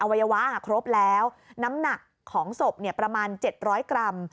อวัยวะครบแล้วน้ำหนักของศพเนี่ยประมาณเจ็ดร้อยกรัม